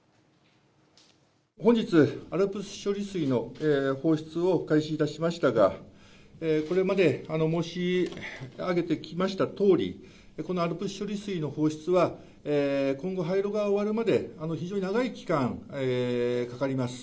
本日、アルプス処理水の放出を開始いたしましたが、これまで申し上げてきましたとおり、このアルプス処理水の放出は、今後、廃炉が終わるまで、非常に長い期間かかります。